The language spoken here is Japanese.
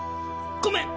ごめん！